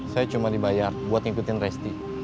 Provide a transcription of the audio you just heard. saya cuma dibayar buat ngikutin resti